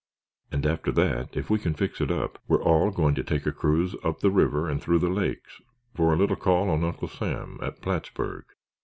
And after that, if we can fix it up, we're all going to take a cruise up the river and through the lakes for a little call on Uncle Sam at Plattsburg.